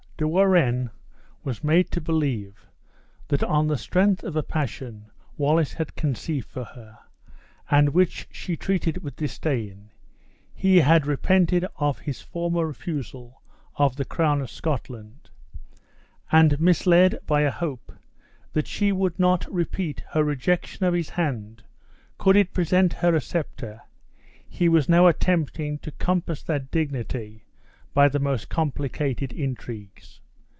De Warren was made to believe, that on the strength of a passion Wallace had conceived for her, and which she treated with disdain, he had repented of his former refusal of the crown of Scotland; and, misled by a hope that she would not repeat her rejection of his hand could it present her a scepter, he was now attempting to compass that dignity by the most complicated intrigues.